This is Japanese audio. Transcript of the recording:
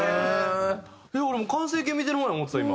俺もう完成形見てるもんや思ってた今。